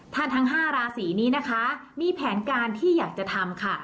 ถ้าทั้ง๕ราศีนี้นะคะมีแผนการที่อยากจะทำค่ะ